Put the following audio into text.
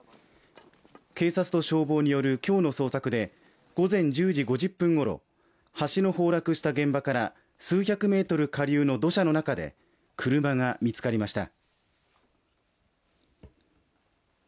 警察と消防による今日の捜索で午前１０時５０分ごろ、橋の崩落した現場から数百メートル下流の土砂の中で車が見つかりました。